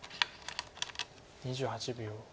２８秒。